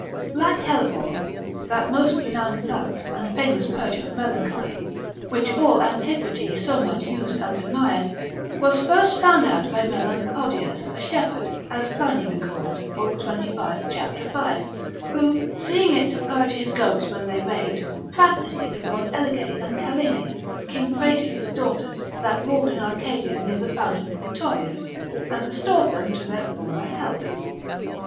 Black hellebore, that most renowned plant, and famous purger of melancholy, which all antiquity so much used and admired, was first found out by Melanpodius a shepherd, as Pliny records, lib. 25. cap. 5. who, seeing it to purge his goats when they raved, practised it upon Elige and Calene, King Praetus' daughters, that ruled in Arcadia, near the fountain Clitorius, and restored them to their former health.